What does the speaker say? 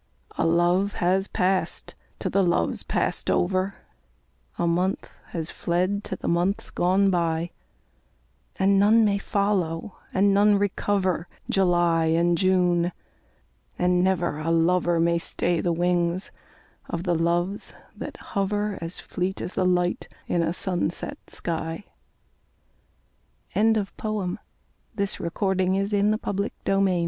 A love has passed to the loves passed over, A month has fled to the months gone by; And none may follow, and none recover July and June, and never a lover May stay the wings of the Loves that hover, As fleet as the light in a sunset sky. NIGHTINGALE WEATHER. 'Serai je nonnette, oui ou non?